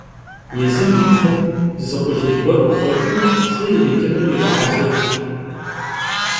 Yêzım yi pxhum zı khulêy guer khıkhueç'ım lh'ı yiritınu yiğehezırırt.